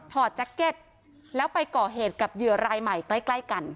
แจ็คเก็ตแล้วไปก่อเหตุกับเหยื่อรายใหม่ใกล้กัน